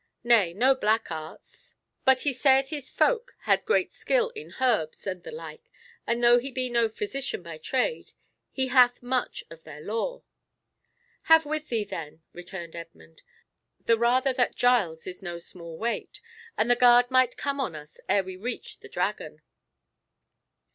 Nay, no black arts; but he saith his folk had great skill in herbs and the like, and though he be no physician by trade, he hath much of their lore." "Have with thee, then," returned Edmund, "the rather that Giles is no small weight, and the guard might come on us ere we reached the Dragon."